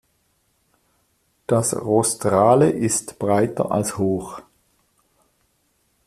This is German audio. Das Rostrale ist breiter als hoch.